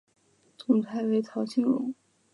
总裁为陶庆荣。